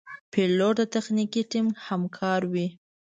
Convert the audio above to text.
پیلوټ د تخنیکي ټیم همکار وي.